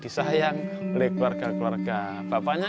dia paling disayang oleh keluarga keluarga bapaknya